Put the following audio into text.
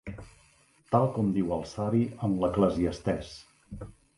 Tal com diu el Savi en l'Eclesiastès.